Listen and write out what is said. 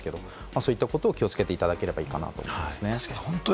そういったことを気をつけていただければいいかと思います。